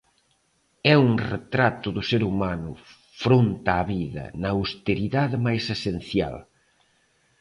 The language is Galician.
É un retrato do ser humano fronte á vida, na austeridade máis esencial.